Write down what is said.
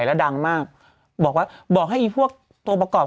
ก็เอาตรงถ้าพูดชื่อออกมาพี่ต้องไหว้